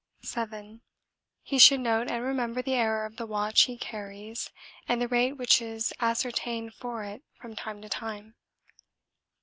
7. He should note and remember the error of the watch he carries and the rate which is ascertained for it from time to time.